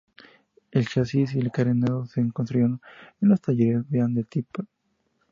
El chasis y el carenado se construyeron en los Talleres Beam de Tipton.